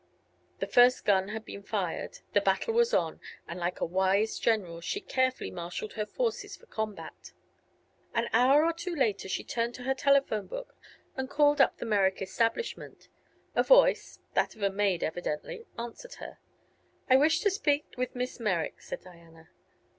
The first gun had been fired, the battle was on, and like a wise general she carefully marshaled her forces for combat. An hour or two later she turned to her telephone book and called up the Merrick establishment. A voice, that of a maid, evidently, answered her. "I wish to speak with Miss Merrick," said Diana.